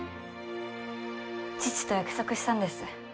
父と約束したんです。